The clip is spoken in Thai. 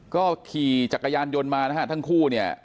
ก็ขี่จักรยานยนต์มานะฮะทั้งคู่เนี่ย